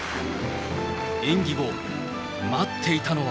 演技後、待っていたのは。